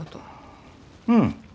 うん。